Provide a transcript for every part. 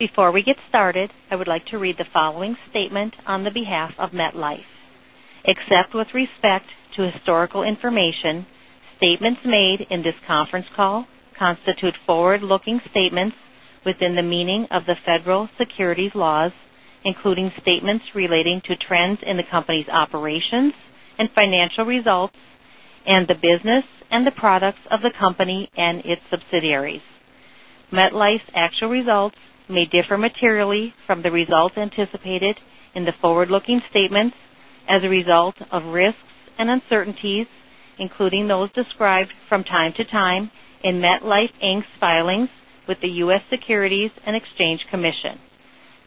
Before we get started, I would like to read the following statement on the behalf of MetLife. Except with respect to historical information, statements made in this conference call constitute forward-looking statements within the meaning of the federal securities laws, including statements relating to trends in the company's operations and financial results and the business and the products of the company and its subsidiaries. MetLife's actual results may differ materially from the results anticipated in the forward-looking statements as a result of risks and uncertainties, including those described from time to time in MetLife, Inc.'s filings with the U.S. Securities and Exchange Commission.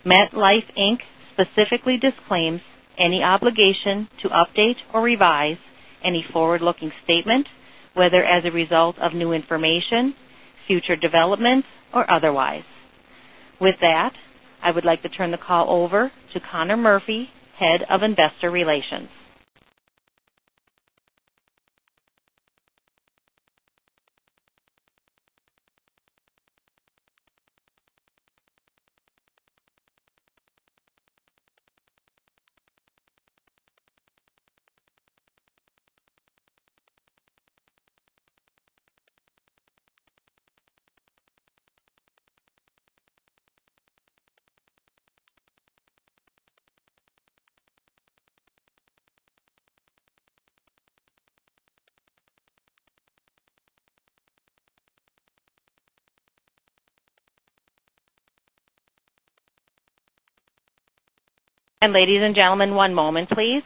MetLife, Inc. specifically disclaims any obligation to update or revise any forward-looking statement, whether as a result of new information, future developments, or otherwise. With that, I would like to turn the call over to Conor Murphy, Head of Investor Relations. Ladies and gentlemen, one moment, please.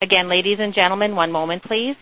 Again, ladies and gentlemen, one moment, please.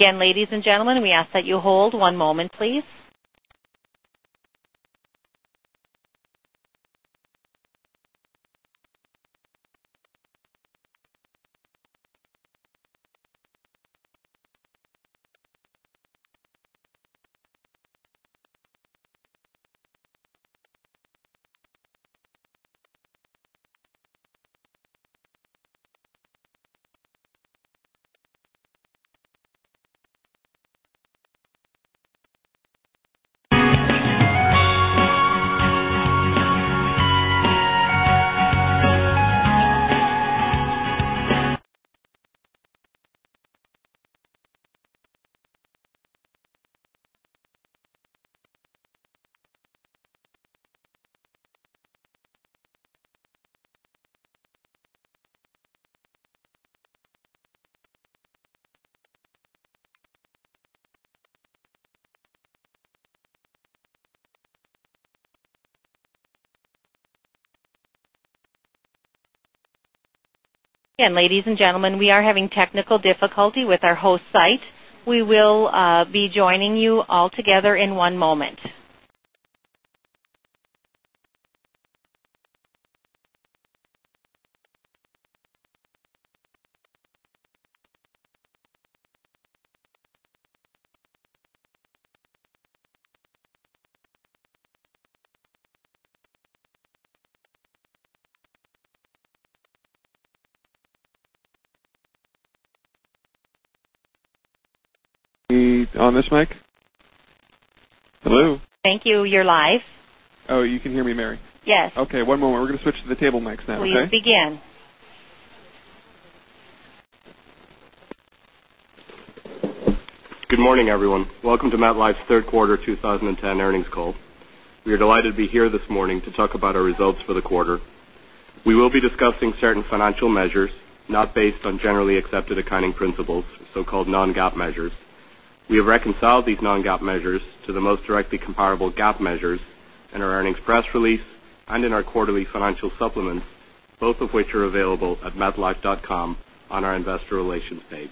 Again, ladies and gentlemen, we ask that you hold one moment, please. Again, ladies and gentlemen, we are having technical difficulty with our host site. We will be joining you all together in one moment. Me on this mic? Hello? Thank you. You're live. Oh, you can hear me, Mary? Yes. Okay, one moment. We're going to switch to the table mics now, okay? Please begin. Good morning, everyone. Welcome to MetLife's third quarter 2010 earnings call. We are delighted to be here this morning to talk about our results for the quarter. We will be discussing certain financial measures not based on Generally Accepted Accounting Principles, so-called non-GAAP measures. We have reconciled these non-GAAP measures to the most directly comparable GAAP measures in our earnings press release and in our quarterly financial supplements. Both of which are available at metlife.com on our investor relations page.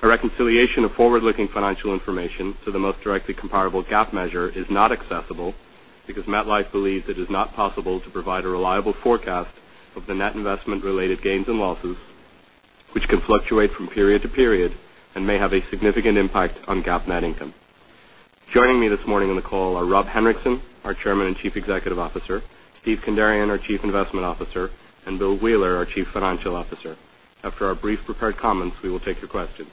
A reconciliation of forward-looking financial information to the most directly comparable GAAP measure is not accessible, because MetLife believes it is not possible to provide a reliable forecast of the net investment-related gains and losses, which can fluctuate from period to period and may have a significant impact on GAAP net income. Joining me this morning on the call are Rob Henrikson, our Chairman and Chief Executive Officer, Steve Kandarian, our Chief Investment Officer, and Bill Wheeler, our Chief Financial Officer. After our brief prepared comments, we will take your questions.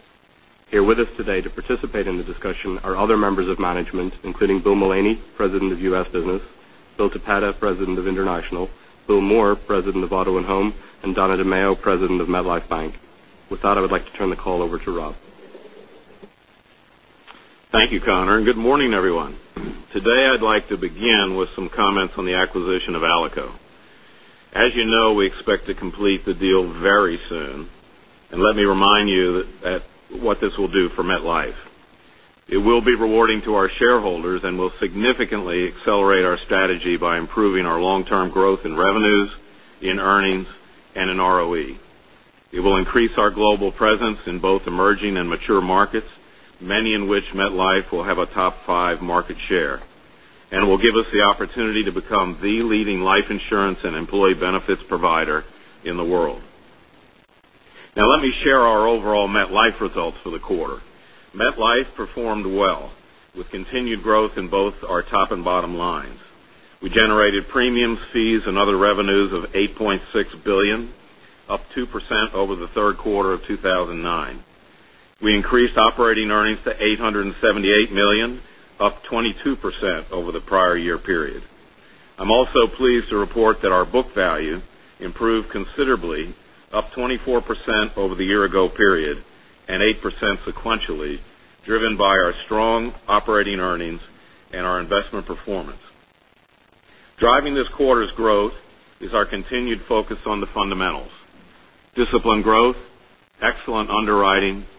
Here with us today to participate in the discussion are other members of management, including Bill Mullaney, President of US Business, Bill Toppeta, President of International, Bill Moore, President of Auto and Home, and Donna DeMaio, President of MetLife Bank. With that, I would like to turn the call over to Rob. Thank you, Conor, and good morning, everyone. Today, I'd like to begin with some comments on the acquisition of Alico. As you know, we expect to complete the deal very soon, let me remind you what this will do for MetLife. It will be rewarding to our shareholders and will significantly accelerate our strategy by improving our long-term growth in revenues, in earnings, and in ROE. It will increase our global presence in both emerging and mature markets, many in which MetLife will have a top five market share. Will give us the opportunity to become the leading life insurance and employee benefits provider in the world. Now let me share our overall MetLife results for the quarter. MetLife performed well, with continued growth in both our top and bottom lines. We generated premium fees and other revenues of $8.6 billion, up 2% over the third quarter of 2009. We increased operating earnings to $878 million, up 22% over the prior year period. I'm also pleased to report that our book value improved considerably, up 24% over the year ago period, and 8% sequentially, driven by our strong operating earnings and our investment performance. Driving this quarter's growth is our continued focus on the fundamentals: disciplined growth, excellent underwriting, solid expense control, and strong investment returns. You'll hear more from Steve Kandarian in a moment, but I'd like to say that we continue to be pleased with the investment portfolio's performance. Investment losses, including impairments, continue to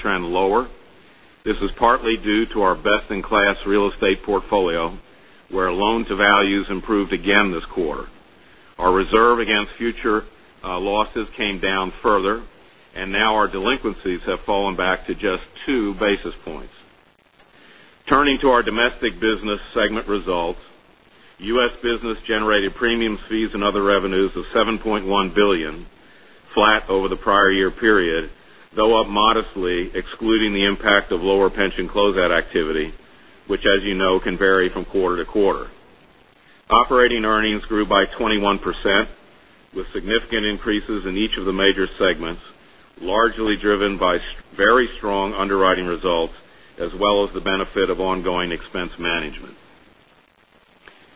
trend lower. This is partly due to our best-in-class real estate portfolio, where loan-to-values improved again this quarter. Our reserve against future losses came down further. Now our delinquencies have fallen back to just two basis points. Turning to our domestic business segment results, US Business generated premium fees and other revenues of $7.1 billion, flat over the prior year period, though up modestly excluding the impact of lower pension close-out activity, which, as you know, can vary from quarter to quarter. Operating earnings grew by 21%, with significant increases in each of the major segments, largely driven by very strong underwriting results, as well as the benefit of ongoing expense management.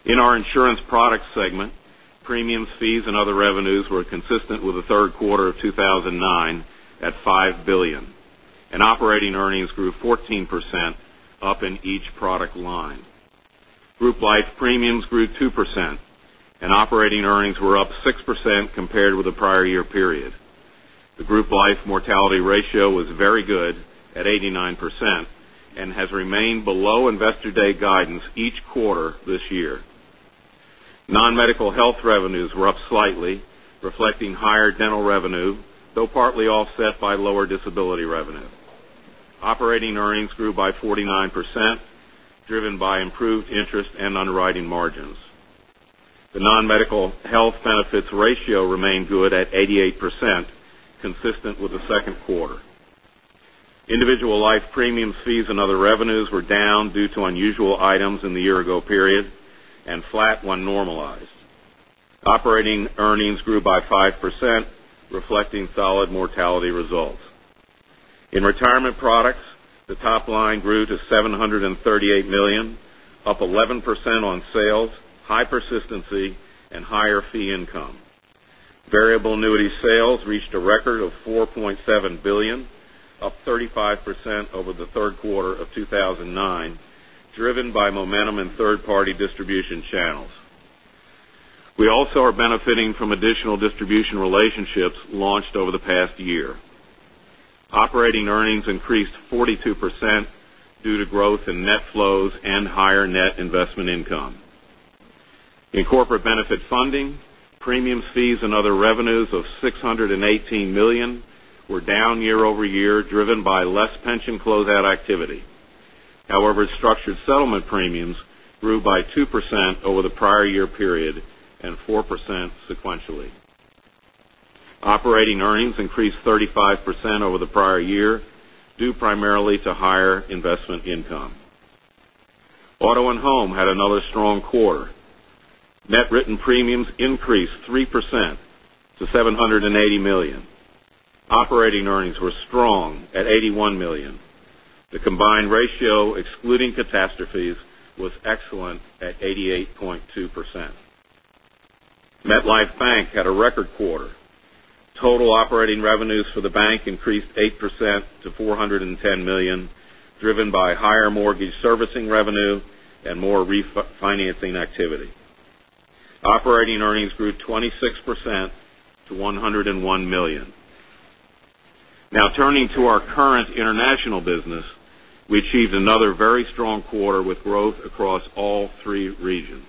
In our insurance product segment, premium fees and other revenues were consistent with the third quarter of 2009 at $5 billion, and operating earnings grew 14%, up in each product line. group life premiums grew 2%, and operating earnings were up 6% compared with the prior year period. The group life mortality ratio was very good at 89% and has remained below Investor Day guidance each quarter this year. Non-medical health revenues were up slightly, reflecting higher Dental revenue, though partly offset by lower disability revenue. Operating earnings grew by 49%, driven by improved interest and underwriting margins. The non-medical health benefits ratio remained good at 88%, consistent with the second quarter. Individual life premium fees and other revenues were down due to unusual items in the year-ago period, and flat when normalized. Operating earnings grew by 5%, reflecting solid mortality results. In retirement products, the top line grew to $738 million, up 11% on sales, high persistency, and higher fee income. Variable annuity sales reached a record of $4.7 billion, up 35% over the third quarter of 2009, driven by momentum in third-party distribution channels. We also are benefiting from additional distribution relationships launched over the past year. Operating earnings increased 42% due to growth in net flows and higher net investment income. In corporate benefit funding, premium fees and other revenues of $618 million were down year-over-year, driven by less pension close-out activity. Structured settlement premiums grew by 2% over the prior year period and 4% sequentially. Operating earnings increased 35% over the prior year, due primarily to higher investment income. Auto and Home had another strong quarter. Net written premiums increased 3% to $780 million. Operating earnings were strong at $81 million. The combined ratio, excluding catastrophes, was excellent at 88.2%. MetLife Bank had a record quarter. Total operating revenues for the bank increased 8% to $410 million, driven by higher mortgage servicing revenue and more refinancing activity. Operating earnings grew 26% to $101 million. Turning to our current international business, we achieved another very strong quarter with growth across all three regions.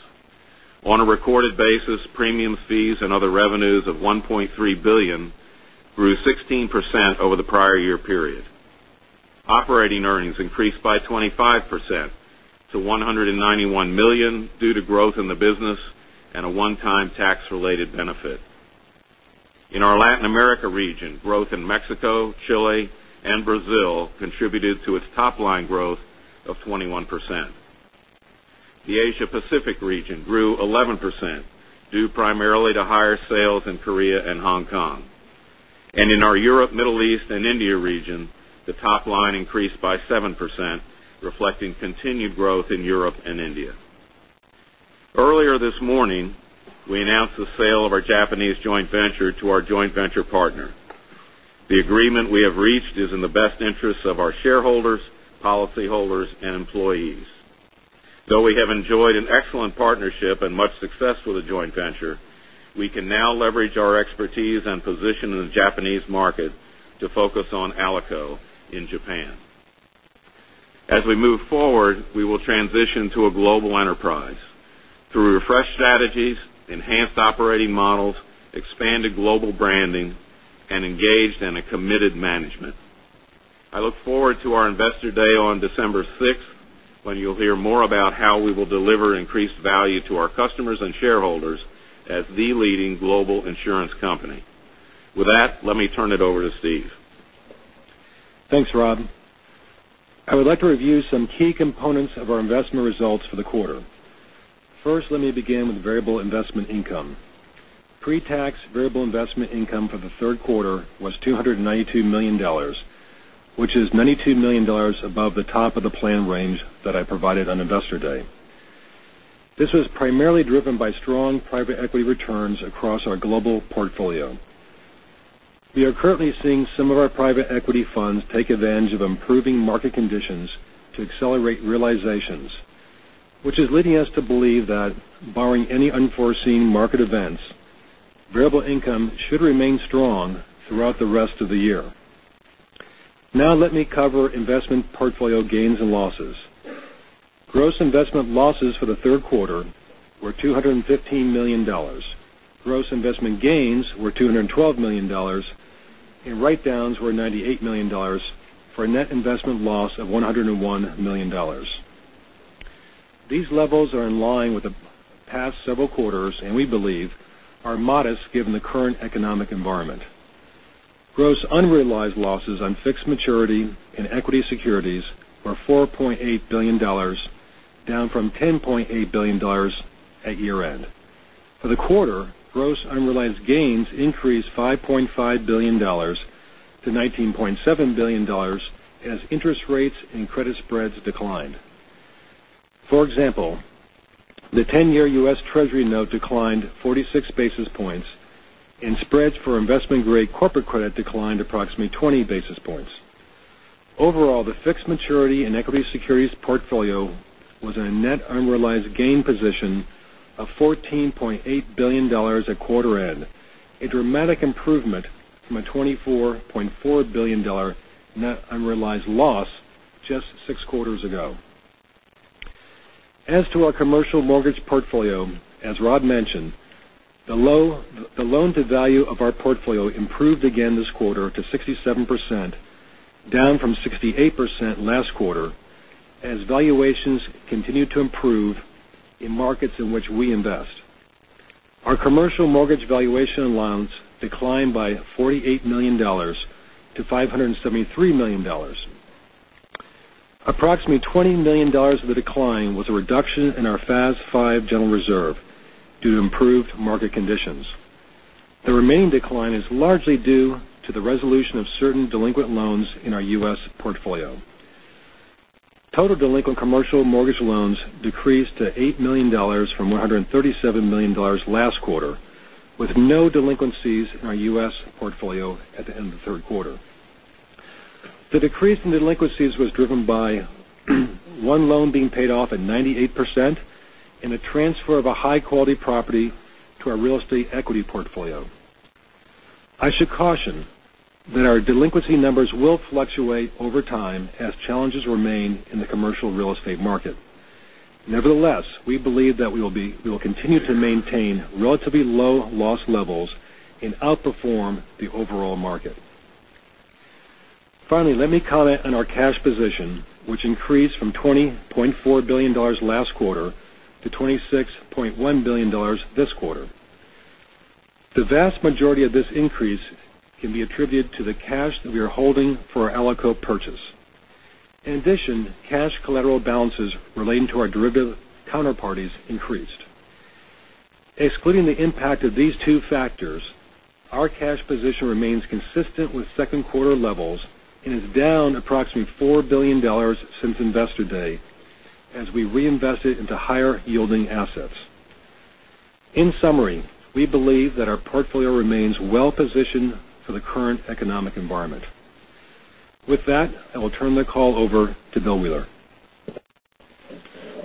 On a recorded basis, premium fees and other revenues of $1.3 billion grew 16% over the prior year period. Operating earnings increased by 25% to $191 million due to growth in the business and a one-time tax related benefit. In our Latin America region, growth in Mexico, Chile, and Brazil contributed to its top line growth of 21%. The Asia Pacific region grew 11%, due primarily to higher sales in Korea and Hong Kong. In our Europe, Middle East, and India region, the top line increased by 7%, reflecting continued growth in Europe and India. Earlier this morning, we announced the sale of our Japanese joint venture to our joint venture partner. The agreement we have reached is in the best interest of our shareholders, policyholders, and employees. Though we have enjoyed an excellent partnership and much success with the joint venture, we can now leverage our expertise and position in the Japanese market to focus on Alico in Japan. As we move forward, we will transition to a global enterprise through refreshed strategies, enhanced operating models, expanded global branding, and engaged and a committed management. I look forward to our Investor Day on December 6th, when you'll hear more about how we will deliver increased value to our customers and shareholders as the leading global insurance company. With that, let me turn it over to Steve. Thanks, Rob. I would like to review some key components of our investment results for the quarter. First, let me begin with variable investment income. Pre-tax variable investment income for the third quarter was $292 million, which is $92 million above the top of the plan range that I provided on Investor Day. This was primarily driven by strong private equity returns across our global portfolio. We are currently seeing some of our private equity funds take advantage of improving market conditions to accelerate realizations, which is leading us to believe that barring any unforeseen market events, variable income should remain strong throughout the rest of the year. Now let me cover investment portfolio gains and losses. Gross investment losses for the third quarter were $215 million. Gross investment gains were $212 million, and write-downs were $98 million for a net investment loss of $101 million. These levels are in line with the past several quarters and we believe are modest given the current economic environment. Gross unrealized losses on fixed maturity and equity securities were $4.8 billion, down from $10.8 billion at year end. For the quarter, gross unrealized gains increased $5.5 billion to $19.7 billion as interest rates and credit spreads declined. For example, the 10-year U.S. Treasury note declined 46 basis points and spreads for investment-grade corporate credit declined approximately 20 basis points. Overall, the fixed maturity and equity securities portfolio was in a net unrealized gain position of $14.8 billion at quarter end, a dramatic improvement from a $24.4 billion net unrealized loss just six quarters ago. As to our commercial mortgage portfolio, as Rob mentioned, the loan-to-value of our portfolio improved again this quarter to 67%, down from 68% last quarter, as valuations continued to improve in markets in which we invest. Our commercial mortgage valuation allowance declined by $48 million to $573 million. Approximately $20 million of the decline was a reduction in our FAS 5 general reserve due to improved market conditions. The remaining decline is largely due to the resolution of certain delinquent loans in our U.S. portfolio. Total delinquent commercial mortgage loans decreased to $8 million from $137 million last quarter, with no delinquencies in our U.S. portfolio at the end of the third quarter. The decrease in delinquencies was driven by one loan being paid off at 98% and the transfer of a high-quality property to our real estate equity portfolio. I should caution that our delinquency numbers will fluctuate over time as challenges remain in the commercial real estate market. Nevertheless, we believe that we will continue to maintain relatively low loss levels and outperform the overall market. Finally, let me comment on our cash position, which increased from $20.4 billion last quarter to $26.1 billion this quarter. The vast majority of this increase can be attributed to the cash that we are holding for our Alico purchase. In addition, cash collateral balances relating to our derivative counterparties increased. Excluding the impact of these two factors, our cash position remains consistent with second quarter levels and is down approximately $4 billion since Investor Day, as we reinvest it into higher yielding assets. In summary, we believe that our portfolio remains well-positioned for the current economic environment. With that, I will turn the call over to Bill Wheeler.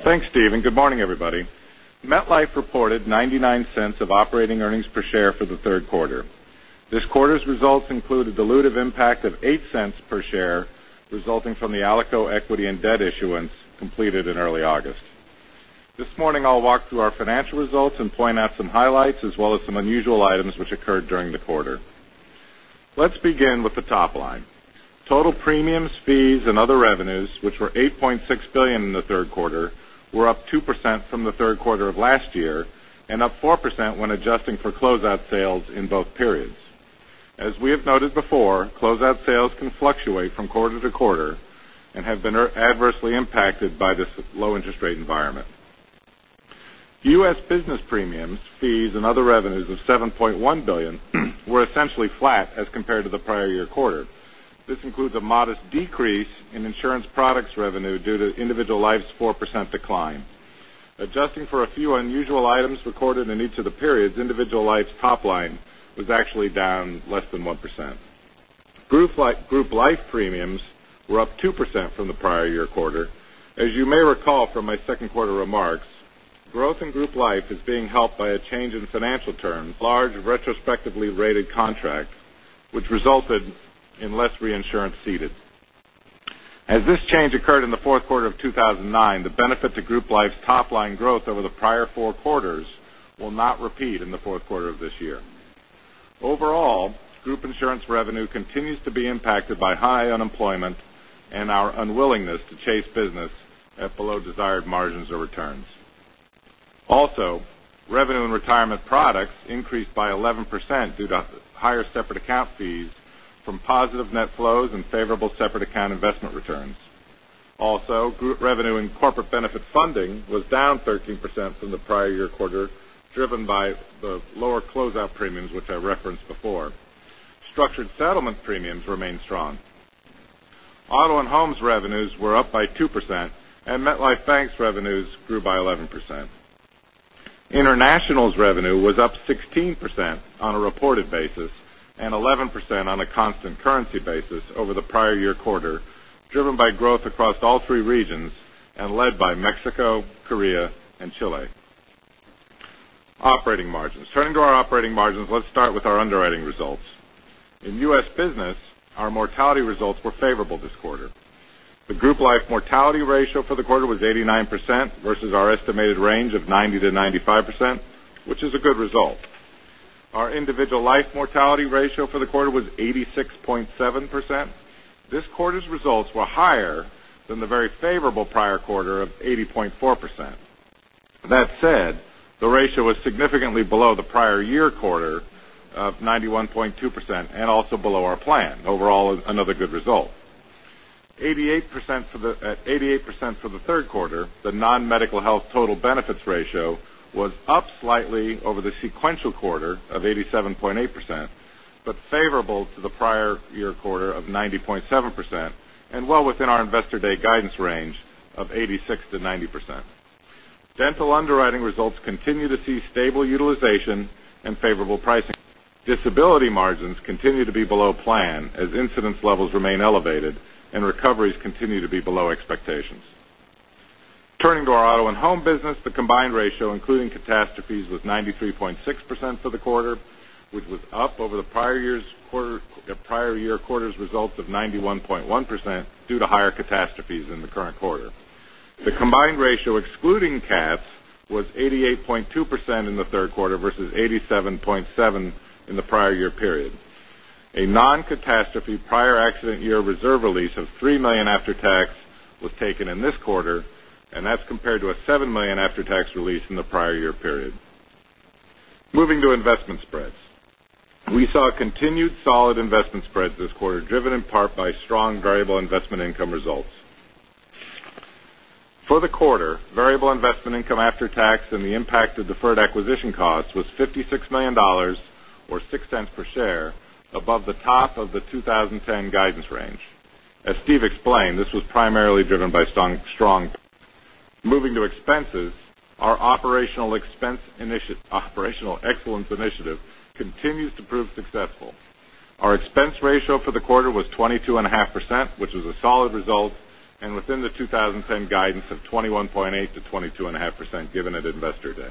Thanks, Steve. Good morning, everybody. MetLife reported $0.99 of operating earnings per share for the third quarter. This quarter's results include a dilutive impact of $0.08 per share resulting from the Alico equity and debt issuance completed in early August. This morning I'll walk through our financial results and point out some highlights as well as some unusual items which occurred during the quarter. Let's begin with the top line. Total premiums, fees, and other revenues, which were $8.6 billion in the third quarter, were up 2% from the third quarter of last year and up 4% when adjusting for closeout sales in both periods. As we have noted before, closeout sales can fluctuate from quarter-to-quarter and have been adversely impacted by this low interest rate environment. U.S. business premiums, fees, and other revenues of $7.1 billion were essentially flat as compared to the prior year quarter. This includes a modest decrease in insurance products revenue due to individual life's 4% decline. Adjusting for a few unusual items recorded in each of the periods, individual life's top line was actually down less than 1%. Group life premiums were up 2% from the prior year quarter. As you may recall from my second quarter remarks, growth in group life is being helped by a change in financial terms, large retrospectively rated contracts, which resulted in less reinsurance ceded. As this change occurred in the fourth quarter of 2009, the benefit to group life's top line growth over the prior four quarters will not repeat in the fourth quarter of this year. Overall, group insurance revenue continues to be impacted by high unemployment and our unwillingness to chase business at below desired margins or returns. Revenue and retirement products increased by 11% due to higher separate account fees from positive net flows and favorable separate account investment returns. Group revenue in corporate benefit funding was down 13% from the prior year quarter, driven by the lower closeout premiums, which I referenced before. Structured settlement premiums remained strong. Auto & Home's revenues were up by 2%, and MetLife Bank's revenues grew by 11%. International's revenue was up 16% on a reported basis and 11% on a constant currency basis over the prior year quarter, driven by growth across all three regions and led by Mexico, Korea, and Chile. Operating margins. Turning to our operating margins, let's start with our underwriting results. In U.S. business, our mortality results were favorable this quarter. The group life mortality ratio for the quarter was 89% versus our estimated range of 90%-95%, which is a good result. Our individual life mortality ratio for the quarter was 86.7%. This quarter's results were higher than the very favorable prior quarter of 80.4%. That said, the ratio was significantly below the prior year quarter of 91.2% and also below our plan. Overall, another good result. At 88% for the third quarter, the non-medical health total benefits ratio was up slightly over the sequential quarter of 87.8%, but favorable to the prior year quarter of 90.7% and well within our Investor Day guidance range of 86%-90%. Dental underwriting results continue to see stable utilization and favorable pricing. Disability margins continue to be below plan as incidence levels remain elevated and recoveries continue to be below expectations. Turning to our auto and home business, the combined ratio including catastrophes was 93.6% for the quarter, which was up over the prior year quarter's results of 91.1% due to higher catastrophes in the current quarter. The combined ratio excluding cats was 88.2% in the third quarter versus 87.7% in the prior year period. A non-catastrophe prior accident year reserve release of $3 million after tax was taken in this quarter, and that's compared to a $7 million after tax release in the prior year period. Moving to investment spreads. We saw continued solid investment spreads this quarter, driven in part by strong variable investment income results. For the quarter, variable investment income after tax and the impact of deferred acquisition costs was $56 million, or $0.06 per share above the top of the 2010 guidance range. As Steve explained, this was primarily driven by strong. Moving to expenses, our operational excellence initiative continues to prove successful. Our expense ratio for the quarter was 22.5%, which was a solid result and within the 2010 guidance of 21.8%-22.5% given at Investor Day.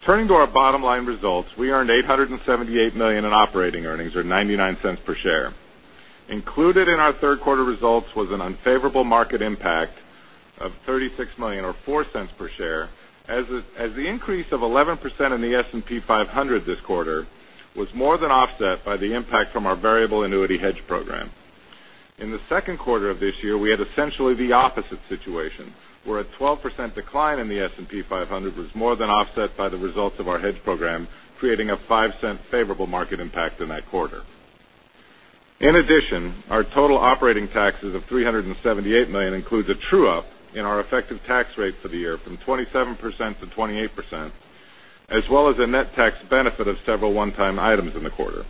Turning to our bottom line results, we earned $878 million in operating earnings or $0.99 per share. Included in our third quarter results was an unfavorable market impact of $36 million or $0.04 per share, as the increase of 11% in the S&P 500 this quarter was more than offset by the impact from our variable annuity hedge program. In the second quarter of this year, we had essentially the opposite situation, where a 12% decline in the S&P 500 was more than offset by the results of our hedge program, creating a $0.05 favorable market impact in that quarter. In addition, our total operating taxes of $378 million includes a true-up in our effective tax rate for the year from 27%-28% as well as a net tax benefit of several one-time items in the quarter.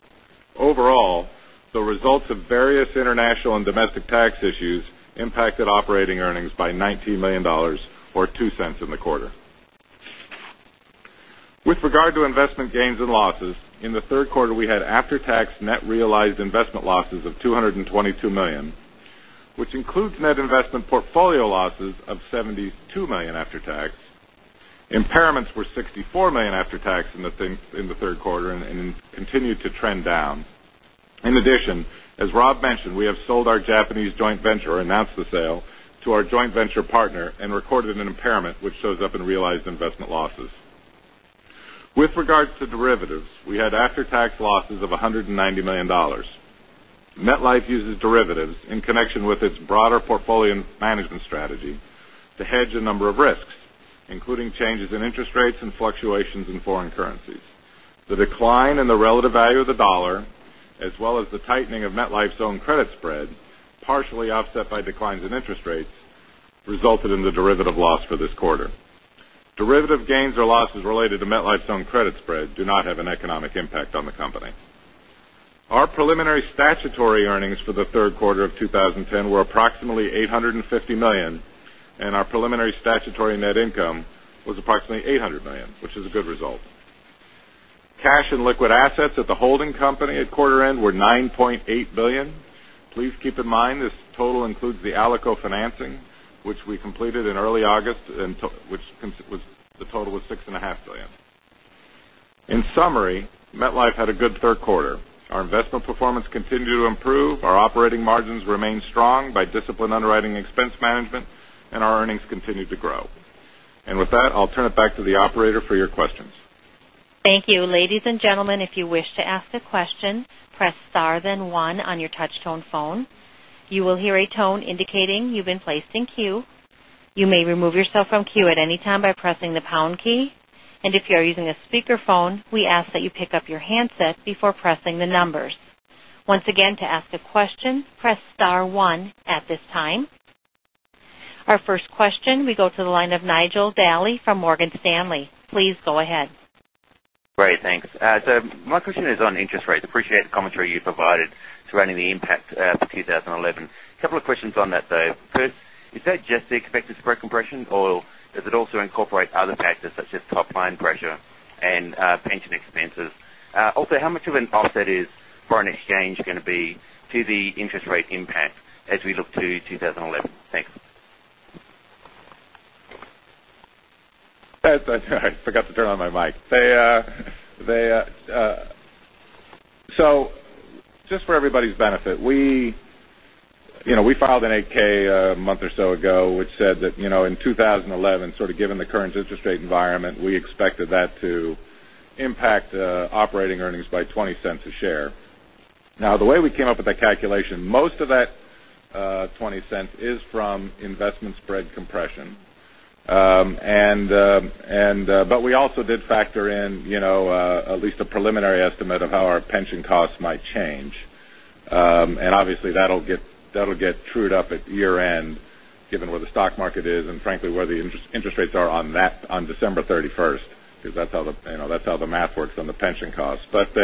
Overall, the results of various international and domestic tax issues impacted operating earnings by $19 million, or $0.02 in the quarter. With regard to investment gains and losses, in the third quarter, we had after-tax net realized investment losses of $222 million, which includes net investment portfolio losses of $72 million after tax. Impairments were $64 million after tax in the third quarter and continued to trend down. In addition, as Rob mentioned, we have sold our Japanese joint venture, announced the sale to our joint venture partner and recorded an impairment which shows up in realized investment losses. With regards to derivatives, we had after-tax losses of $190 million. MetLife uses derivatives in connection with its broader portfolio management strategy to hedge a number of risks, including changes in interest rates and fluctuations in foreign currencies. The decline in the relative value of the dollar, as well as the tightening of MetLife's own credit spread, partially offset by declines in interest rates, resulted in the derivative loss for this quarter. Derivative gains or losses related to MetLife's own credit spread do not have an economic impact on the company. Our preliminary statutory earnings for the third quarter of 2010 were approximately $850 million, and our preliminary statutory net income was approximately $800 million, which is a good result. Cash and liquid assets at the holding company at quarter end were $9.8 billion. Please keep in mind this total includes the Alico financing, which we completed in early August, the total was $6.5 billion. In summary, MetLife had a good third quarter. Our investment performance continued to improve, our operating margins remained strong by disciplined underwriting expense management, and our earnings continued to grow. With that, I'll turn it back to the operator for your questions. Thank you. Ladies and gentlemen, if you wish to ask a question, press star then one on your touch tone phone. You will hear a tone indicating you've been placed in queue. You may remove yourself from queue at any time by pressing the pound key. If you are using a speakerphone, we ask that you pick up your handset before pressing the numbers. Once again, to ask a question, press star one at this time. Our first question, we go to the line of Nigel Dally from Morgan Stanley. Please go ahead. Great, thanks. My question is on interest rates. Appreciate the commentary you provided surrounding the impact for 2011. A couple of questions on that, though. First, is that just the expected spread compression, or does it also incorporate other factors such as top-line pressure and pension expenses? Also, how much of an offset is foreign exchange going to be to the interest rate impact as we look to 2011? Thanks. I forgot to turn on my mic. Just for everybody's benefit, we filed an 8-K a month or so ago, which said that in 2011, sort of given the current interest rate environment, we expected that to impact operating earnings by $0.20 a share. Now, the way we came up with that calculation, most of that $0.20 is from investment spread compression. We also did factor in at least a preliminary estimate of how our pension costs might change. Obviously, that'll get trued up at year-end, given where the stock market is and frankly, where the interest rates are on December 31st, because that's how the math works on the pension costs. That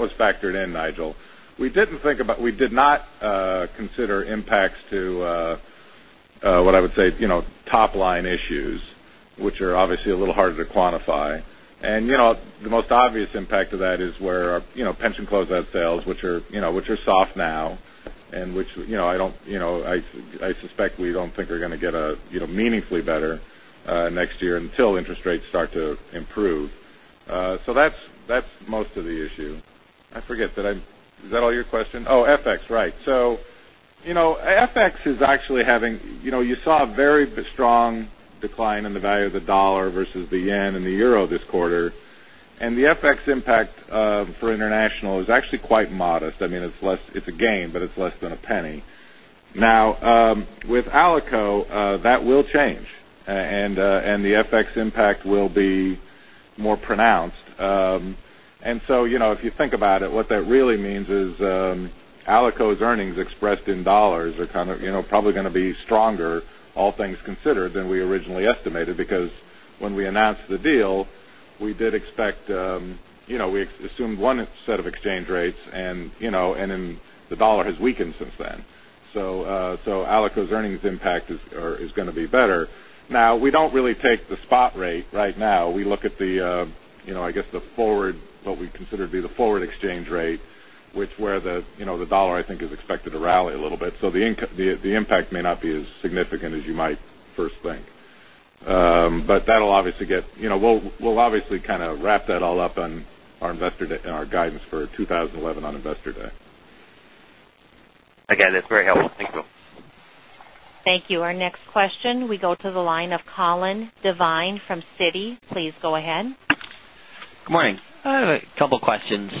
was factored in, Nigel. We did not consider impacts to what I would say, top-line issues, which are obviously a little harder to quantify. The most obvious impact of that is where our pension close-out sales, which are soft now and which I suspect we don't think are going to get meaningfully better next year until interest rates start to improve. That's most of the issue. I forget, is that all your question? FX, right. FX is actually having you saw a very strong decline in the value of the dollar versus the yen and the euro this quarter. The FX impact for international is actually quite modest. I mean, it's a gain, but it's less than a penny. With Alico, that will change, and the FX impact will be more pronounced. If you think about it, what that really means is Alico's earnings expressed in dollars are probably going to be stronger, all things considered, than we originally estimated. When we announced the deal, we assumed one set of exchange rates, the dollar has weakened since then. Alico's earnings impact is going to be better. We don't really take the spot rate right now. We look at the forward, what we consider to be the forward exchange rate, which where the dollar, I think, is expected to rally a little bit. The impact may not be as significant as you might first think. We'll obviously kind of wrap that all up in our guidance for 2011 on Investor Day. That's very helpful. Thank you. Thank you. Our next question, we go to the line of Colin Devine from Citi. Please go ahead. Good morning. I have a couple questions.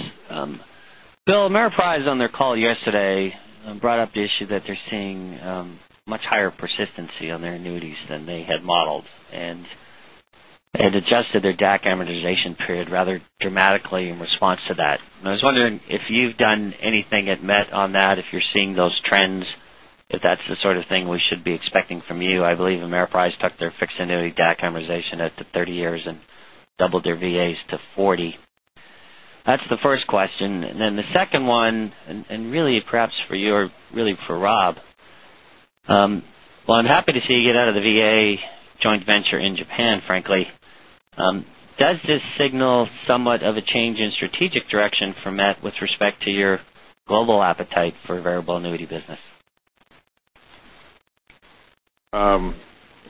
Bill, Ameriprise on their call yesterday brought up the issue that they're seeing much higher persistency on their annuities than they had modeled, and adjusted their DAC amortization period rather dramatically in response to that. I was wondering if you've done anything at Met on that, if you're seeing those trends. If that's the sort of thing we should be expecting from you? I believe Ameriprise took their fixed annuity DAC amortization out to 30 years and doubled their VAs to 40. That's the first question. The second one, and really perhaps for you or really for Rob. While I'm happy to see you get out of the VA joint venture in Japan, frankly, does this signal somewhat of a change in strategic direction for Met with respect to your global appetite for variable annuity business?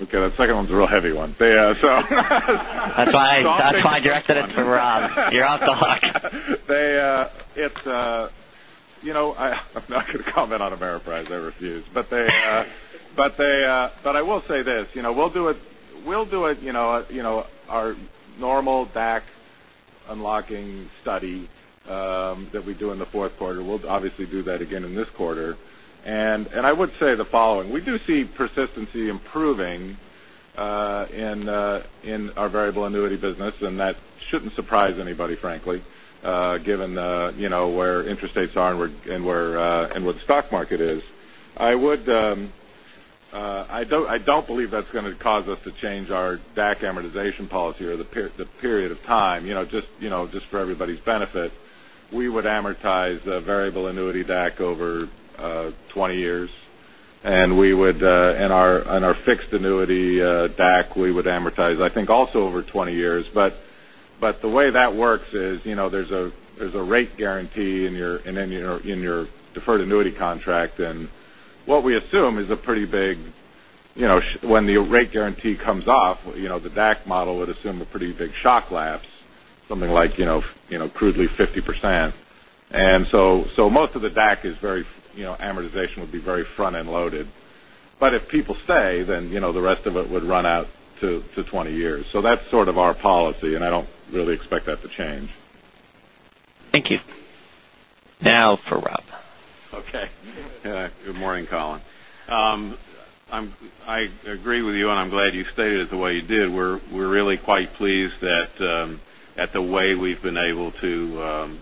Okay, that second one's a real heavy one. That's why I directed it to Rob. You're off the hook. I'm not going to comment on Ameriprise. I refuse. I will say this, we'll do our normal DAC unlocking study that we do in the fourth quarter. We'll obviously do that again in this quarter. I would say the following. We do see persistency improving in our variable annuity business, and that shouldn't surprise anybody, frankly given where interest rates are and where the stock market is. I don't believe that's going to cause us to change our DAC amortization policy or the period of time. Just for everybody's benefit, we would amortize a variable annuity DAC over 20 years, and our fixed annuity DAC we would amortize, I think, also over 20 years. The way that works is there's a rate guarantee in your deferred annuity contract. What we assume is when the rate guarantee comes off, the DAC model would assume a pretty big shock lapse. Something like crudely 50%. Most of the DAC amortization would be very front-end loaded. If people stay, the rest of it would run out to 20 years. That's sort of our policy, and I don't really expect that to change. Thank you. Now for Rob. Good morning, Colin. I agree with you, I'm glad you stated it the way you did. We're really quite pleased at the way we've been able to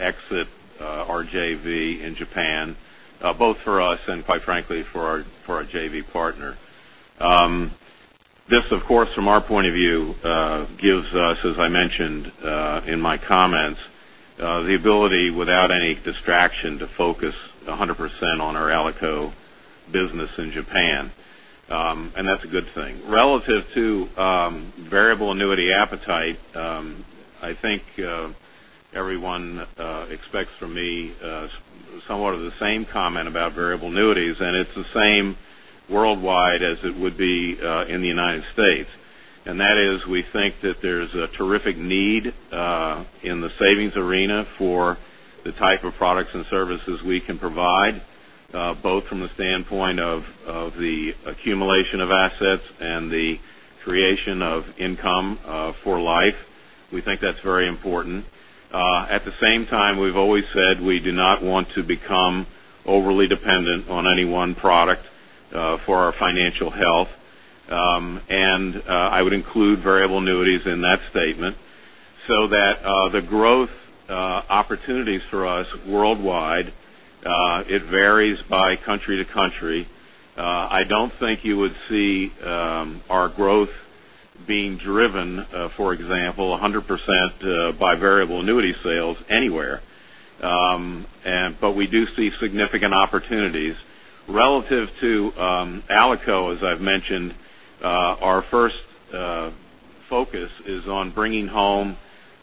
exit our JV in Japan both for us and quite frankly, for our JV partner. This, of course, from our point of view gives us, as I mentioned in my comments, the ability, without any distraction, to focus 100% on our Alico business in Japan. That's a good thing. Relative to variable annuity appetite, I think everyone expects from me somewhat of the same comment about variable annuities, it's the same worldwide as it would be in the United States. That is, we think that there's a terrific need in the savings arena for the type of products and services we can provide both from the standpoint of the accumulation of assets and the creation of income for life. We think that's very important. At the same time, we've always said we do not want to become overly dependent on any one product for our financial health. I would include variable annuities in that statement so that the growth opportunities for us worldwide, it varies by country to country. I don't think you would see our growth being driven, for example, 100% by variable annuity sales anywhere. We do see significant opportunities. Relative to Alico, as I've mentioned, our first focus is on bringing home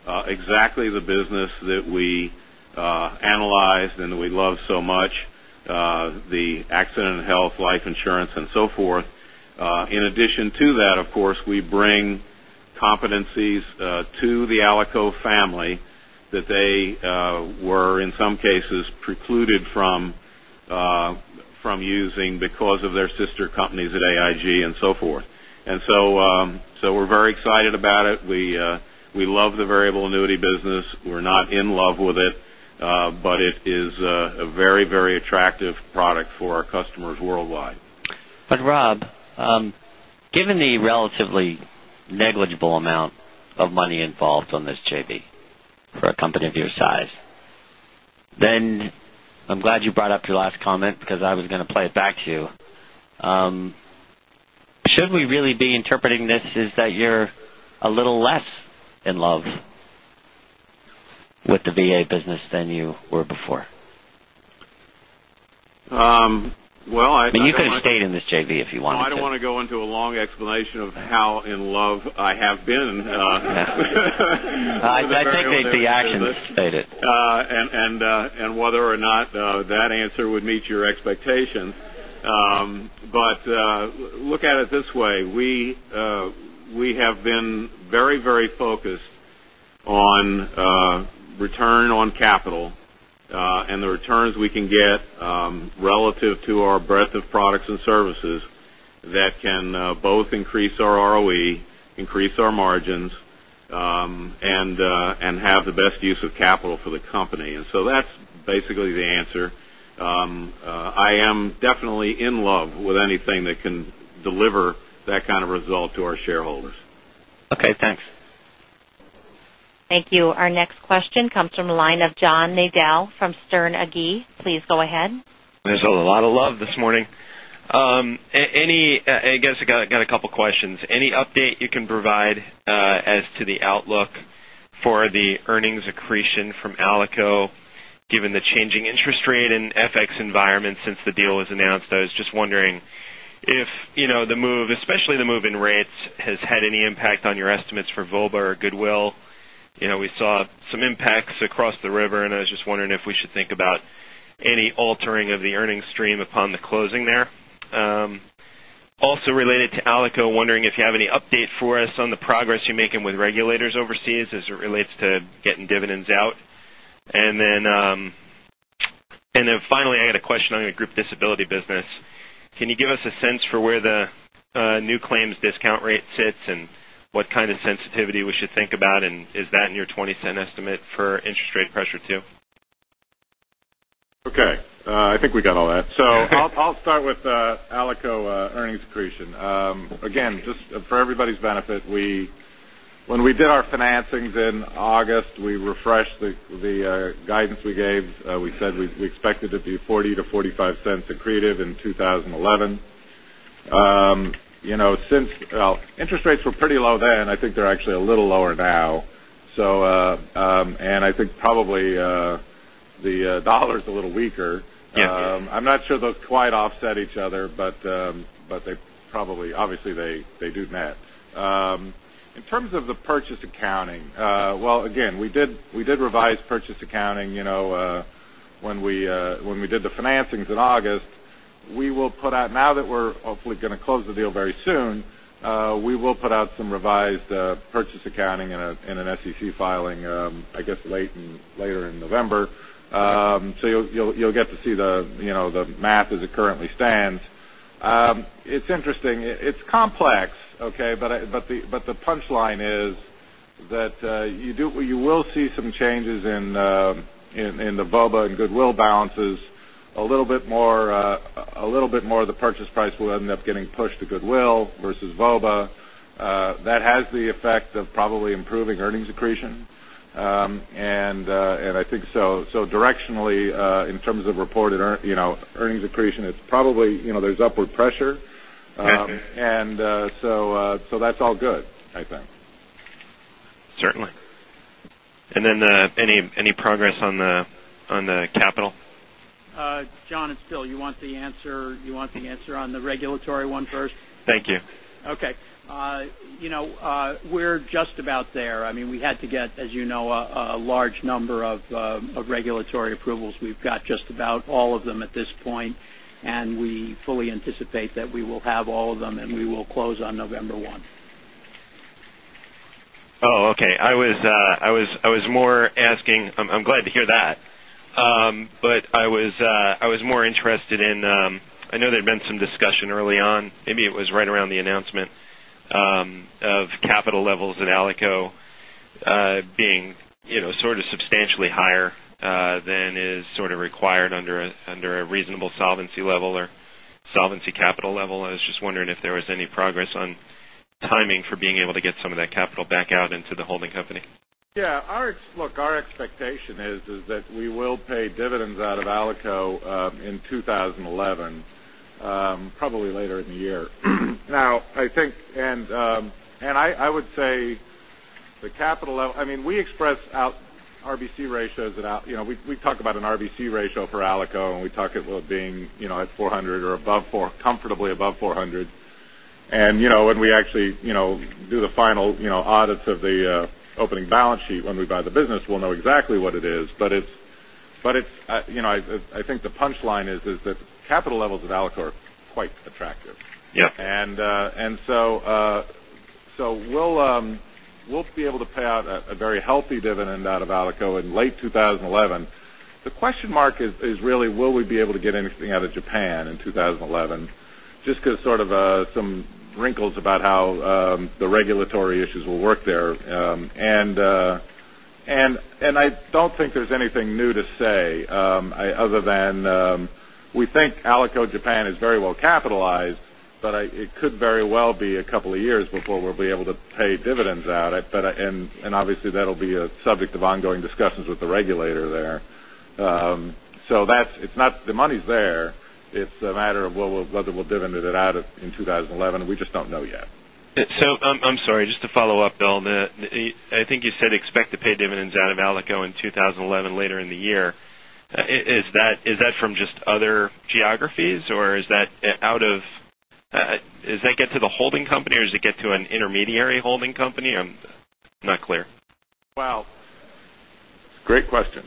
exactly the business that we analyzed and that we love so much, the accident and health, life insurance, and so forth. In addition to that, of course, we bring competencies to the Alico that they were, in some cases, precluded from using because of their sister companies at AIG and so forth. We're very excited about it. We love the variable annuities. We're not in love with it. It is a very attractive product for our customers worldwide. Rob, given the relatively negligible amount of money involved on this JV for a company of your size, then I'm glad you brought up your last comment because I was going to play it back to you. Should we really be interpreting this is that you're a little less in love with the VA than you were before? Well. You could have stayed in this JV if you wanted to. I don't want to go into a long explanation of how in love I have been. I think the actions state it. Whether or not that answer would meet your expectation. Look at it this way. We have been very focused on return on capital and the returns we can get relative to our breadth of products and services that can both increase our ROE, increase our margins, and have the best use of capital for the company. So that's basically the answer. I am definitely in love with anything that can deliver that kind of result to our shareholders. Okay, thanks. Thank you. Our next question comes from the line of John Nadel from Sterne Agee. Please go ahead. There's a lot of love this morning. I got a couple questions. Any update you can provide as to the outlook for the earnings accretion from Alico, given the changing interest rate and FX environment since the deal was announced? I was just wondering if the move, especially the move in rates, has had any impact on your estimates for VOBA or goodwill. We saw some impacts across the river, and I was just wondering if we should think about any altering of the earnings stream upon the closing there. Also related to Alico, wondering if you have any update for us on the progress you're making with regulators overseas as it relates to getting dividends out. Finally, I had a question on your group disability business. Can you give us a sense for where the new claims discount rate sits and what kind of sensitivity we should think about? Is that in your 20% estimate for interest rate pressure, too? Okay. I think we got all that. I'll start with Alico earnings accretion. Again, just for everybody's benefit, when we did our financings in August, we refreshed the guidance we gave. We said we expected to be $0.40-$0.45 accretive in 2011. Interest rates were pretty low then. I think they're actually a little lower now. I think probably the dollar's a little weaker. Yes. I'm not sure they'll quite offset each other, but obviously they do net. In terms of the purchase accounting, well, again, we did revise purchase accounting when we did the financings in August. Now that we're hopefully going to close the deal very soon, we will put out some revised purchase accounting in an SEC filing, I guess, later in November. You'll get to see the math as it currently stands. It's interesting. It's complex, okay? The punchline is that you will see some changes in the VOBA and goodwill balances. A little bit more of the purchase price will end up getting pushed to goodwill versus VOBA. That has the effect of probably improving earnings accretion. I think directionally, in terms of reported earnings accretion, there's upward pressure. Okay. That's all good, I think. Certainly. Any progress on the capital? John, it's Bill. You want the answer on the regulatory one first? Thank you. Okay. We're just about there. We had to get, as you know, a large number of regulatory approvals. We've got just about all of them at this point, and we fully anticipate that we will have all of them, and we will close on November 1. Oh, okay. I'm glad to hear that. I was more interested in, I know there'd been some discussion early on, maybe it was right around the announcement of capital levels in Alico being sort of substantially higher than is sort of required under a reasonable solvency level or solvency capital level. I was just wondering if there was any progress on timing for being able to get some of that capital back out into the holding company. Yeah. Look, our expectation is that we will pay dividends out of Alico in 2011, probably later in the year. I would say the capital level, we express our RBC ratios. We talk about an RBC ratio for Alico, and we talk it being at 400 or comfortably above 400. When we actually do the final audits of the opening balance sheet when we buy the business, we'll know exactly what it is. I think the punchline is that capital levels of Alico are quite attractive. Yeah. We'll be able to pay out a very healthy dividend out of Alico in late 2011. The question mark is really, will we be able to get anything out of Japan in 2011? Just because sort of some wrinkles about how the regulatory issues will work there. I don't think there's anything new to say other than we think Alico Japan is very well capitalized, but it could very well be a couple of years before we'll be able to pay dividends out. Obviously, that'll be a subject of ongoing discussions with the regulator there. The money's there. It's a matter of whether we'll dividend it out in 2011. We just don't know yet. I'm sorry, just to follow up, Bill. I think you said expect to pay dividends out of Alico in 2011, later in the year. Is that from just other geographies, or does that get to the holding company, or does it get to an intermediary holding company? I'm not clear. Well, great question.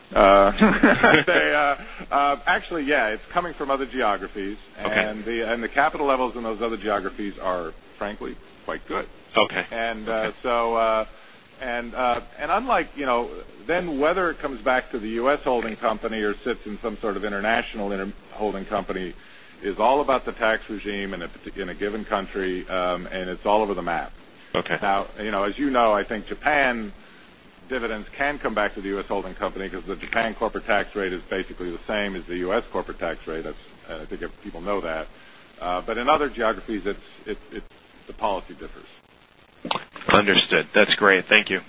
Actually, yeah, it's coming from other geographies. The capital levels in those other geographies are frankly quite good. whether it comes back to the U.S. holding company or sits in some sort of international holding company is all about the tax regime in a given country, and it's all over the map. as you know, I think Japan dividends can come back to the U.S. holding company because the Japan corporate tax rate is basically the same as the U.S. corporate tax rate. I think people know that. In other geographies, it's. The policy differs. Understood. That's great. Thank you.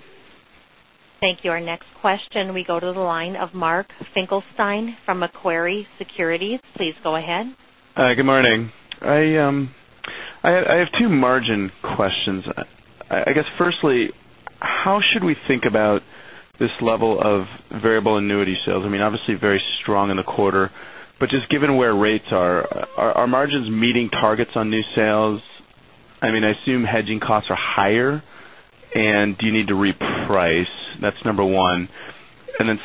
Thank you. Our next question, we go to the line of Mark Finkelstein from Macquarie Securities. Please go ahead. Hi, good morning. I have two margin questions. I guess firstly, how should we think about this level of variable annuity sales? I mean, obviously very strong in the quarter, given where rates are margins meeting targets on new sales? I assume hedging costs are higher, do you need to reprice? That's number one.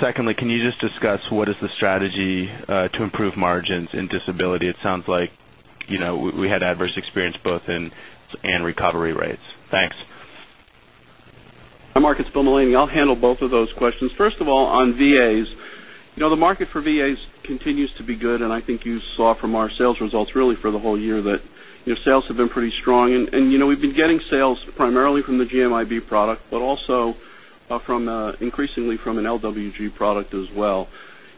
Secondly, can you just discuss what is the strategy to improve margins in disability? It sounds like we had adverse experience both incidence and recovery rates. Thanks. Mark, it's Bill Mullaney. I'll handle both of those questions. First of all, on VAs. The market for VAs continues to be good, I think you saw from our sales results really for the whole year that sales have been pretty strong. We've been getting sales primarily from the GMIB product, but also increasingly from an GLWB product as well.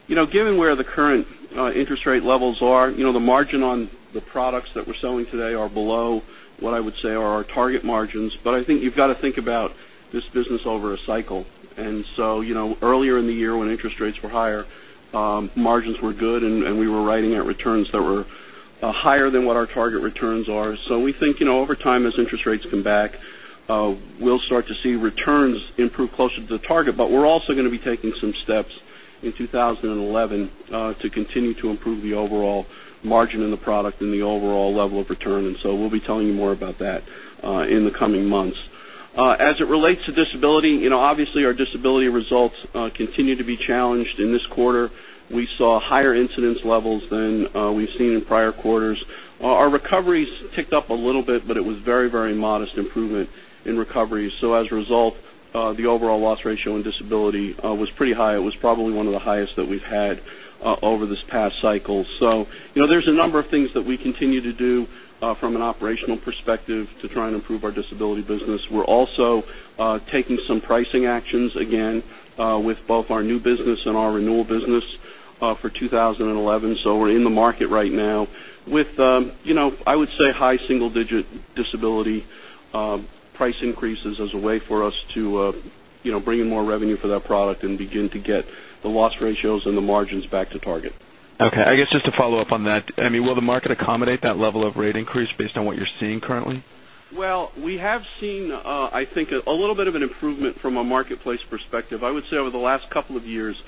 Given where the current interest rate levels are, the margin on the products that we're selling today are below what I would say are our target margins. I think you've got to think about this business over a cycle. Earlier in the year when interest rates were higher, margins were good, we were writing out returns that were higher than what our target returns are. We think, over time, as interest rates come back, we'll start to see returns improve closer to the target. We're also going to be taking some steps in 2011 to continue to improve the overall margin in the product and the overall level of return. We'll be telling you more about that in the coming months. As it relates to disability, obviously, our disability results continue to be challenged. In this quarter, we saw higher incidence levels than we've seen in prior quarters. Our recoveries ticked up a little bit, it was very modest improvement in recoveries. As a result, the overall loss ratio in disability was pretty high. It was probably one of the highest that we've had over this past cycle. There's a number of things that we continue to do from an operational perspective to try and improve our disability business. We're also taking some pricing actions, again, with both our new business and our renewal business for 2011. We're in the market right now with, I would say, high single-digit disability price increases as a way for us to bring in more revenue for that product and begin to get the loss ratios and the margins back to target. Okay. I guess just to follow up on that, I mean, will the market accommodate that level of rate increase based on what you're seeing currently? Well, we have seen, I think, a little bit of an improvement from a marketplace perspective. I would say over the last couple of years,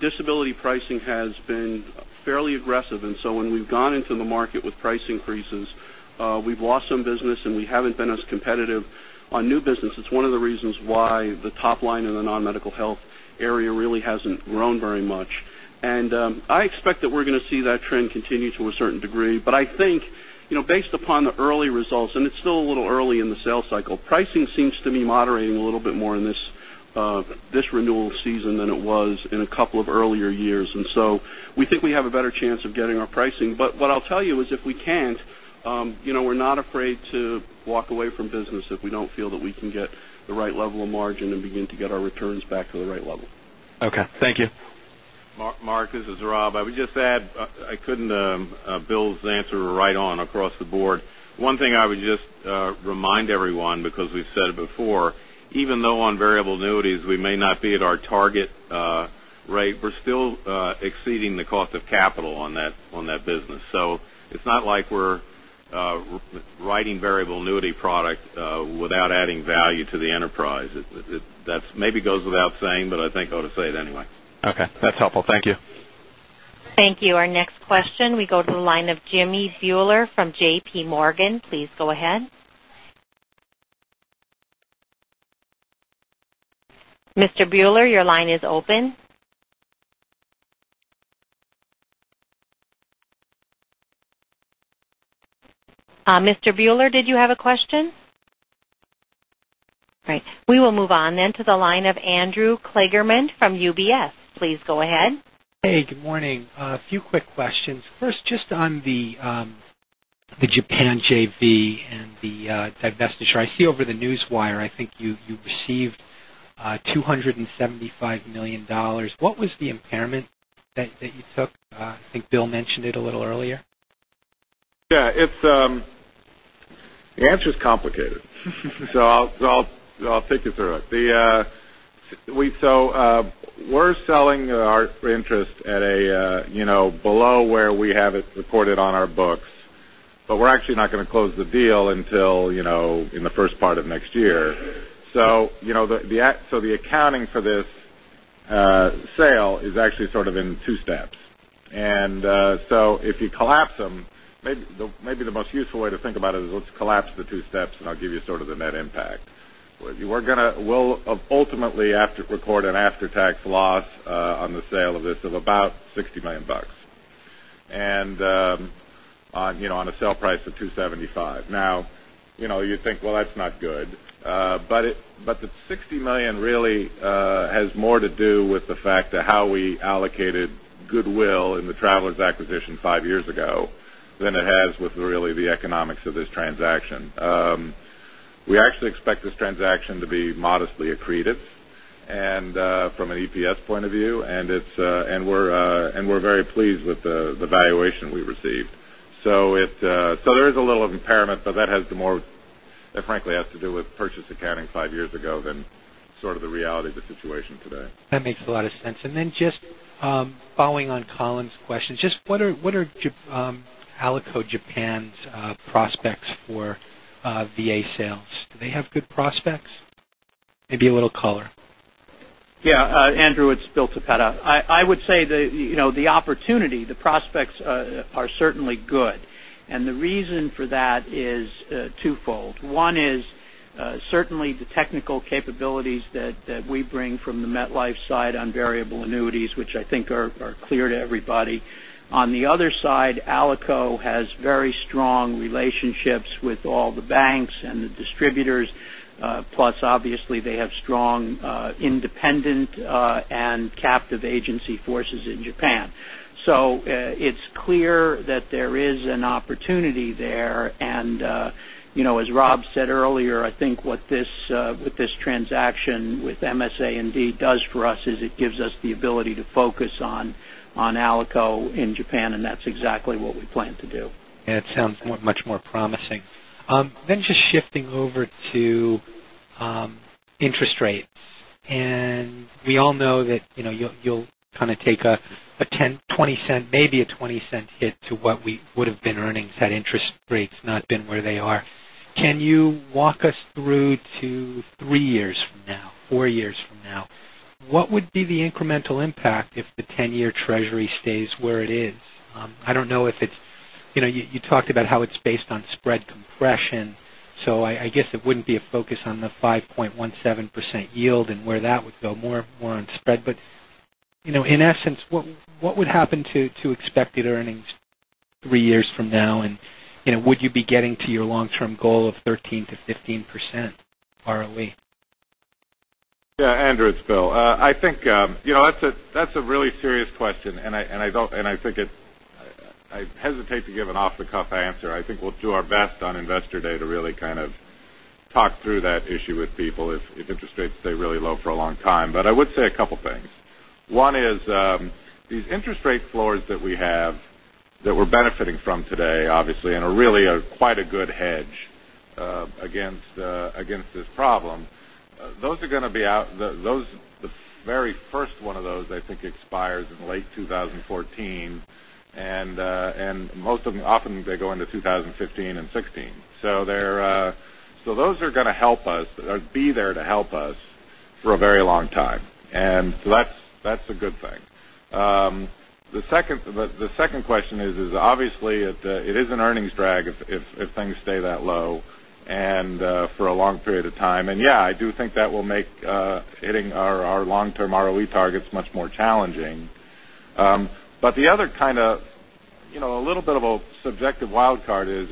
disability pricing has been fairly aggressive. When we've gone into the market with price increases, we've lost some business, and we haven't been as competitive on new business. It's one of the reasons why the top line in the non-medical health area really hasn't grown very much. I expect that we're going to see that trend continue to a certain degree. I think based upon the early results, and it's still a little early in the sales cycle, pricing seems to be moderating a little bit more in this renewal season than it was in a couple of earlier years. We think we have a better chance of getting our pricing. What I'll tell you is if we can't, we're not afraid to walk away from business if we don't feel that we can get the right level of margin and begin to get our returns back to the right level. Okay. Thank you. Mark, this is Rob. I would just add, Bill's answer was right on across the board. One thing I would just remind everyone, because we've said it before, even though on variable annuities, we may not be at our target rate, we're still exceeding the cost of capital on that business. It's not like we're writing variable annuity product without adding value to the enterprise. That maybe goes without saying, but I think I ought to say it anyway. Okay. That's helpful. Thank you. Thank you. Our next question, we go to the line of Jimmy Bhullar from J.P. Morgan. Please go ahead. Mr. Bhullar, your line is open. Mr. Bhullar, did you have a question? Right. We will move on then to the line of Andrew Kligerman from UBS. Please go ahead. Hey, good morning. A few quick questions. First, on the Japan JV and the divestiture. I see over the newswire, I think you received $275 million. What was the impairment that you took? I think Bill mentioned it a little earlier. Yeah. The answer's complicated. I'll take you through it. We're selling our interest at below where we have it recorded on our books, we're actually not going to close the deal until in the first part of next year. The accounting for this sale is actually sort of in two steps. If you collapse them, maybe the most useful way to think about it is let's collapse the two steps, and I'll give you sort of the net impact. We'll ultimately have to record an after-tax loss on the sale of this of about $60 million on a sale price of $275. You think, well, that's not good. The $60 million really has more to do with the fact of how we allocated goodwill in the Travelers acquisition five years ago than it has with really the economics of this transaction. We actually expect this transaction to be modestly accretive from an EPS point of view, we're very pleased with the valuation we received. There is a little impairment, that frankly has to do with purchase accounting five years ago than sort of the reality of the situation today. That makes a lot of sense. Following on Colin's question, what are Alico Japan's prospects for VA sales? Do they have good prospects? Maybe a little color. Andrew, it's Bill Toppeta. I would say the opportunity, the prospects are certainly good. The reason for that is twofold. One is certainly the technical capabilities that we bring from the MetLife side on variable annuities, which I think are clear to everybody. On the other side, Alico has very strong relationships with all the banks and the distributors. Obviously, they have strong independent and captive agency forces in Japan. It's clear that there is an opportunity there. As Rob said earlier, I think what this transaction with MSA indeed does for us is it gives us the ability to focus on Alico in Japan, and that's exactly what we plan to do. It sounds much more promising. Just shifting over to interest rates. We all know that you'll kind of take a maybe $0.20 hit to what we would have been earning had interest rates not been where they are. Can you walk us through to three years from now, four years from now? What would be the incremental impact if the 10-year treasury stays where it is? You talked about how it's based on spread compression, I guess it wouldn't be a focus on the 5.17% yield and where that would go. More on spread. In essence, what would happen to expected earnings three years from now? Would you be getting to your long-term goal of 13%-15% ROE? Andrew, it's Bill. I think that's a really serious question. I hesitate to give an off-the-cuff answer. I think we'll do our best on Investor Day to really kind of talk through that issue with people if interest rates stay really low for a long time. I would say a couple things. One is these interest rate floors that we have, that we're benefiting from today, obviously, are really quite a good hedge against this problem. The very first one of those, I think, expires in late 2014. Most of them, often they go into 2015 and 2016. So those are going to be there to help us for a very long time. That's a good thing. The second question is obviously it is an earnings drag if things stay that low for a long period of time. I do think that will make hitting our long-term ROE targets much more challenging. The other kind of a little bit of a subjective wild card is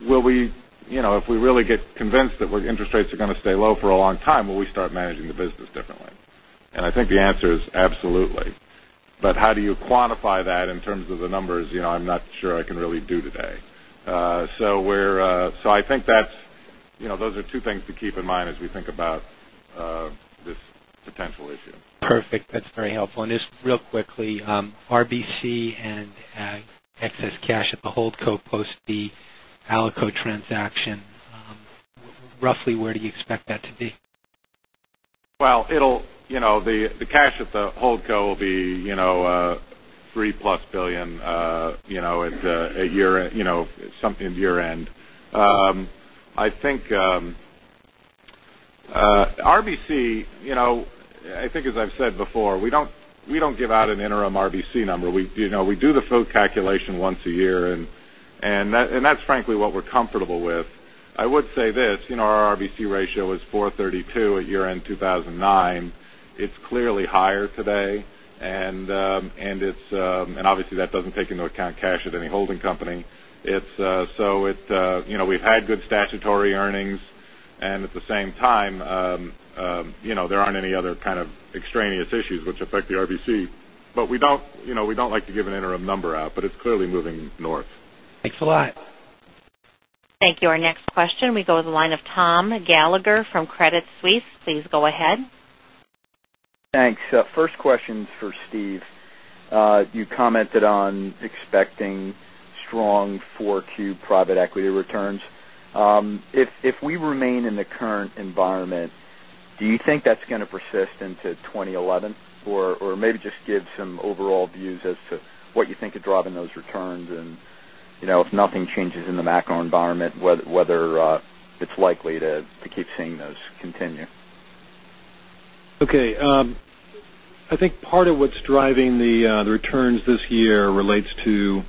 if we really get convinced that interest rates are going to stay low for a long time, will we start managing the business differently? I think the answer is absolutely. How do you quantify that in terms of the numbers? I'm not sure I can really do today. I think those are two things to keep in mind as we think about this potential issue. Perfect. That's very helpful. Just real quickly, RBC and excess cash at the holdco post the Alico transaction. Roughly where do you expect that to be? Well, the cash at the holdco will be three-plus billion dollars at something of year-end. I think RBC, as I've said before, we don't give out an interim RBC number. We do the full calculation once a year, that's frankly what we're comfortable with. I would say this, our RBC ratio is 432 at year-end 2009. It's clearly higher today, obviously that doesn't take into account cash at any holding company. We've had good statutory earnings, at the same time, there aren't any other kind of extraneous issues which affect the RBC. We don't like to give an interim number out, but it's clearly moving north. Thanks a lot. Thank you. Our next question, we go to the line of Tom Gallagher from Credit Suisse. Please go ahead. Thanks. First question is for Steve. You commented on expecting strong 4Q private equity returns. If we remain in the current environment, do you think that's going to persist into 2011? Maybe just give some overall views as to what you think is driving those returns and if nothing changes in the macro environment, whether it's likely to keep seeing those continue. Okay. I think part of what's driving the returns this year relates to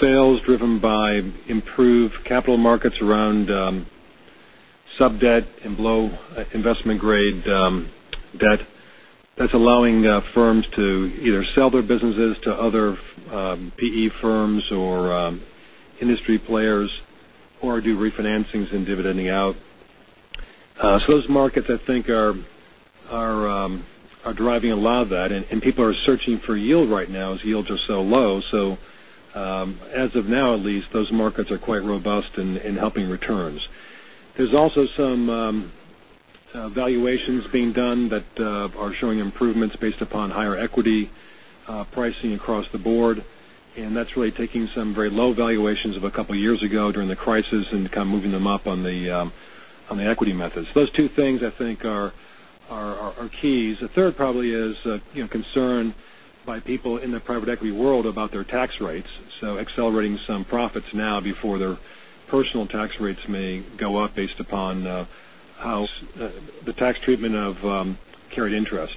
sales driven by improved capital markets around sub-debt and low investment grade debt that's allowing firms to either sell their businesses to other PE firms or industry players or do refinancings and dividending out. Those markets, I think, are driving a lot of that, and people are searching for yield right now as yields are so low. As of now, at least, those markets are quite robust in helping returns. There's also some valuations being done that are showing improvements based upon higher equity pricing across the board. That's really taking some very low valuations of a couple of years ago during the crisis and kind of moving them up on the equity methods. Those two things, I think, are keys. The third probably is concern by people in the private equity world about their tax rates. Accelerating some profits now before their personal tax rates may go up based upon how the tax treatment of carried interest.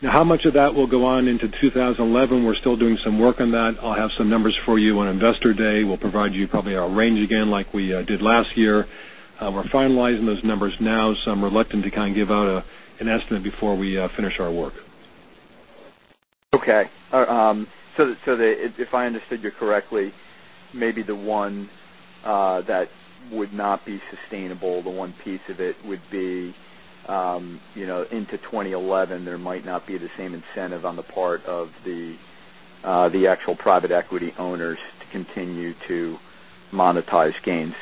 How much of that will go on into 2011? We're still doing some work on that. I'll have some numbers for you on Investor Day. We'll provide you probably our range again like we did last year. We're finalizing those numbers now, I'm reluctant to kind of give out an estimate before we finish our work. Okay. If I understood you correctly, maybe the one that would not be sustainable, the one piece of it would be into 2011, there might not be the same incentive on the part of the actual private equity owners to continue to monetize gains.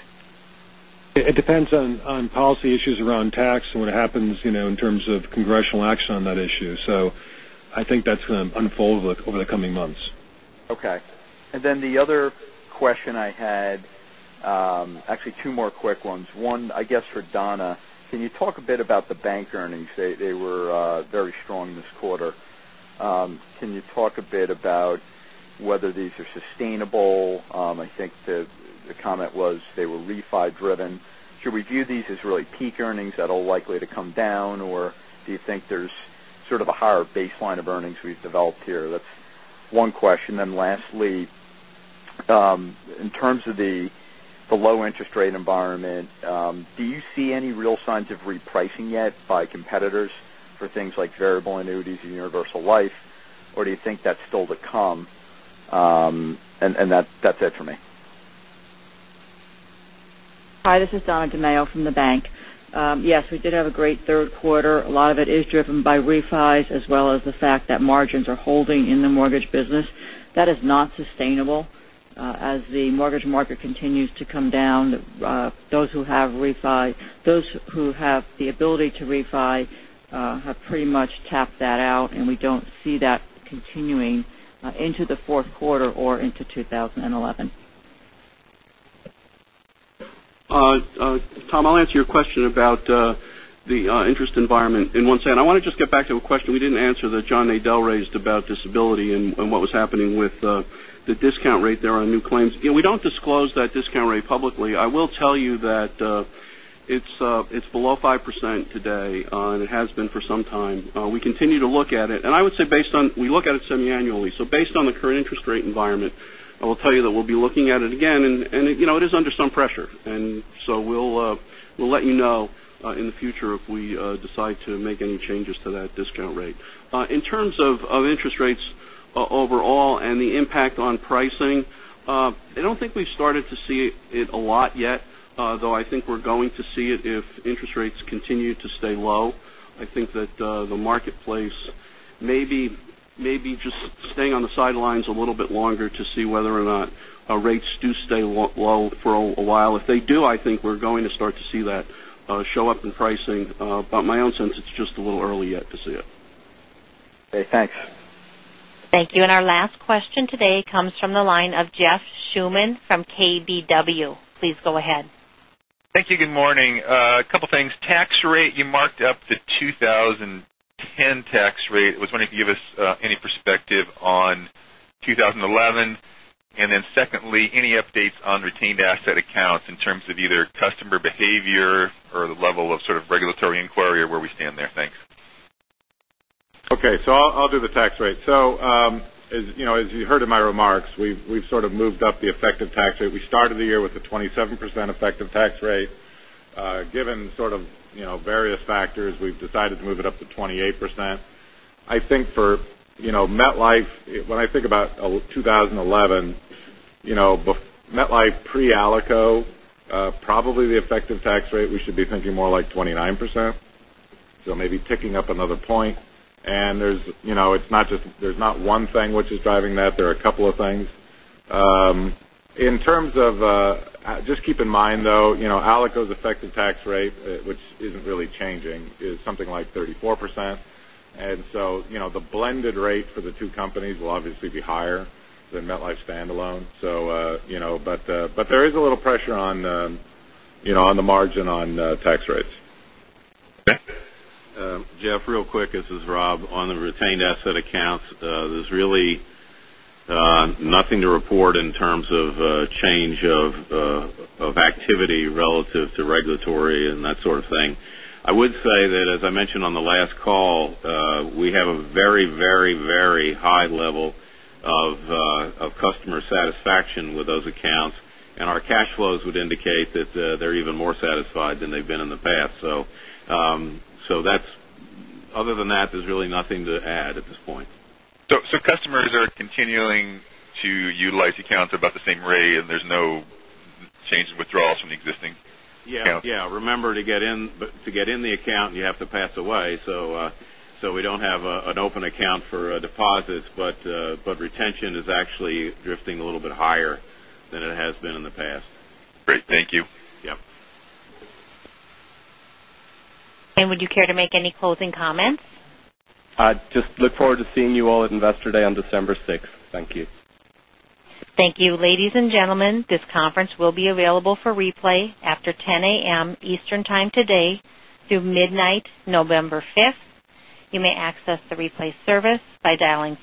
It depends on policy issues around tax and what happens in terms of congressional action on that issue. I think that's going to unfold over the coming months. Okay. The other question I had, actually two more quick ones. One, I guess for Donna. Can you talk a bit about the Bank earnings? They were very strong this quarter. Can you talk a bit about whether these are sustainable? I think the comment was they were refi-driven. Should we view these as really peak earnings that are likely to come down? Or do you think there's sort of a higher baseline of earnings we've developed here? That's one question. Lastly, in terms of the low interest rate environment, do you see any real signs of repricing yet by competitors for things like variable annuities and Universal Life, or do you think that's still to come? That's it for me. Hi, this is Donna DeMaio from the Bank. Yes, we did have a great third quarter. A lot of it is driven by refis as well as the fact that margins are holding in the mortgage business. That is not sustainable. As the mortgage market continues to come down, those who have the ability to refi have pretty much tapped that out, and we don't see that continuing into the fourth quarter or into 2011. Tom, I'll answer your question about the interest environment in one second. I want to just get back to a question we didn't answer that John Nadel raised about disability and what was happening with the discount rate there on new claims. We don't disclose that discount rate publicly. I will tell you that it's below 5% today, and it has been for some time. We continue to look at it. I would say we look at it semi-annually. Based on the current interest rate environment, I will tell you that we'll be looking at it again, and it is under some pressure. We'll let you know in the future if we decide to make any changes to that discount rate. In terms of interest rates overall and the impact on pricing, I don't think we've started to see it a lot yet, though I think we're going to see it if interest rates continue to stay low. I think that the marketplace may be just staying on the sidelines a little bit longer to see whether or not rates do stay low for a while. If they do, I think we're going to start to see that show up in pricing. My own sense, it's just a little early yet to see it. Okay, thanks. Thank you. Our last question today comes from the line of Jeff Schuman from KBW. Please go ahead. Thank you. Good morning. A couple things. Tax rate you marked up to 2010 tax rate. I was wondering if you give us any perspective on 2011. Then secondly, any updates on Retained Asset Accounts in terms of either customer behavior or the level of sort of regulatory inquiry or where we stand there? Thanks. Okay, I'll do the tax rate. As you heard in my remarks, we've sort of moved up the effective tax rate. We started the year with a 27% effective tax rate. Given sort of various factors, we've decided to move it up to 28%. I think for MetLife, when I think about 2011, MetLife pre-Alico, probably the effective tax rate we should be thinking more like 29%. Maybe ticking up another point. There's not one thing which is driving that. There are a couple of things. Just keep in mind, though, Alico's effective tax rate, which isn't really changing, is something like 34%. The blended rate for the two companies will obviously be higher than MetLife standalone. There is a little pressure on the margin on tax rates. Okay. Jeff, real quick, this is Rob. On the Retained Asset Accounts, there's really nothing to report in terms of change of activity relative to regulatory and that sort of thing. I would say that, as I mentioned on the last call, we have a very high level of customer satisfaction with those accounts, and our cash flows would indicate that they're even more satisfied than they've been in the past. Other than that, there's really nothing to add at this point. Customers are continuing to utilize accounts about the same rate, and there's no change in withdrawals from the existing accounts? Yeah. Remember, to get in the account, you have to pass away. We don't have an open account for deposits, but retention is actually drifting a little bit higher than it has been in the past. Great. Thank you. Yep. Would you care to make any closing comments? I just look forward to seeing you all at Investor Day on December sixth. Thank you. Thank you. Ladies and gentlemen, this conference will be available for replay after 10:00 A.M. Eastern Time today through midnight, November fifth. You may access the replay service by dialing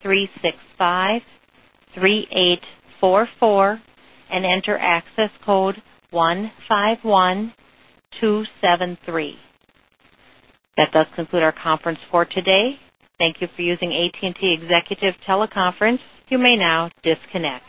320-365-3844 and enter access code 151273. That does conclude our conference for today. Thank you for using AT&T Executive Teleconference. You may now disconnect.